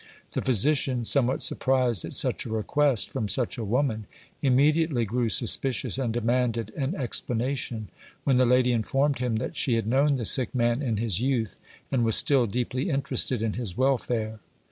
The physician, somewhat surprised at such a request from such a woman, immediately grew suspicious and demanded an explanation, when the lady informed him that she had known the sick man in his youth and was still deeply interested in his welfare.